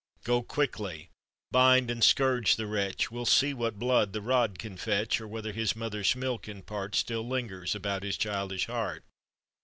Go quickly, bind and scourge the wretch, We'll see what blood the rod can fetch; Or whether his mother's milk in part Still lingers about his childish heart."